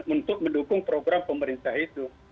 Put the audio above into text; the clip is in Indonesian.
untuk mendukung program pemerintah itu